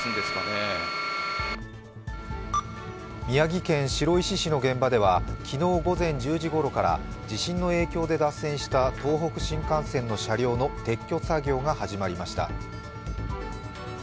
宮城県白石市の現場では昨日午前１０時ごろから地震の影響で脱線した東北新幹線の車両の撤去作業が始まりました。